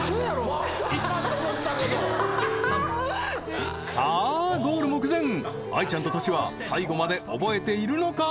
はっさあゴール目前愛ちゃんととしは最後まで覚えているのか？